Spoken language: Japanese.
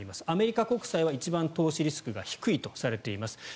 アメリカ国債は一番投資リスクが低いとされています。